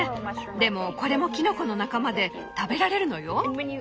でもこれもキノコの仲間で食べられるのよ。